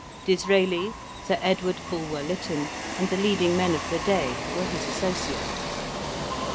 Disraeli, Sir Edward Bulwer Lytton, and the leading men of the day, were his associates.